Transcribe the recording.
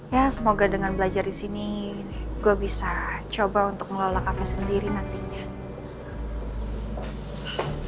ya semoga dengan belajar di sini gue bisa coba untuk mengelola kafe sendiri nantinya